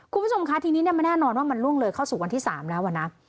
คุณผู้ชมคะทีนี้มันแน่นอนว่ามันล่วงเลยเข้าสู่วันที่๓แล้วอะนะ